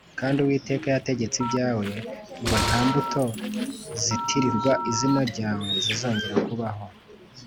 Kandi Uwiteka yategetse ibyawe ngo nta mbuto zitirirwa izina ryawe zizongera kubaho